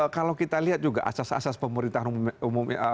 kalau kita lihat juga asas asas pemerintahan umum